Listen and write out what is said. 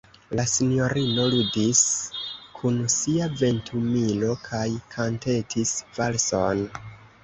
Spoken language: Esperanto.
La sinjorino ludis kun sia ventumilo kaj kantetis valson.